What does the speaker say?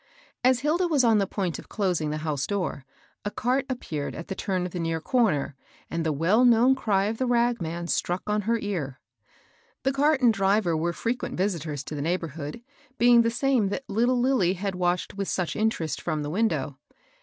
As Hilda was on the point of closing the house door, a cart appeared at the turn of the near cor ner, and the well known cry of the ragman struck on her ear. The cart and driver were frequent visitors to the neighborhood, being the same that little Lilly had watched with such iiitet^\»fei\sjk*^QKk 840 ICABBL B088. window.